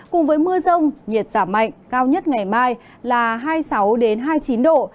cùng với mưa rông nhiệt giảm mạnh cao nhất ngày mai là hai mươi sáu hai mươi chín độ